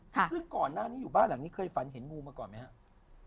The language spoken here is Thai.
ซึ่งก่อนหน้านี้อยู่บ้านหลังนี้เคยฝันเห็นงูมาก่อนไหมครับ